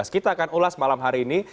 kita akan ulas malam hari ini